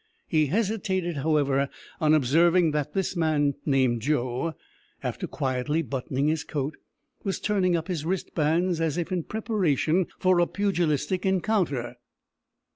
He hesitated, however, on observing that the man named Joe, after quietly buttoning his coat, was turning up his wristbands as if in preparation for a pugilistic encounter.